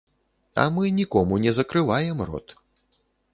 А мы нікому не закрываем рот.